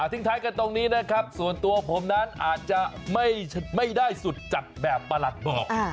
ทิ้งท้ายกันตรงนี้นะครับส่วนตัวผมนั้นอาจจะไม่ได้สุดจัดแบบประหลัดบอก